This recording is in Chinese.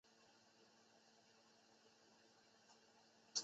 聚变能指利用核聚变产生能量。